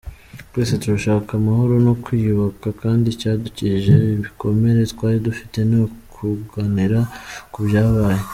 Twese turashaka amahoro no kwiyubaka kandi icyadukijije ibikomere twari dufite ni ukuganira ku byabaye .